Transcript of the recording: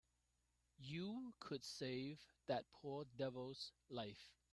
You could save that poor devil's life.